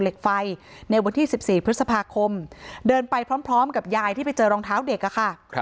เหล็กไฟในวันที่๑๔พฤษภาคมเดินไปพร้อมกับยายที่ไปเจอรองเท้าเด็กอะค่ะ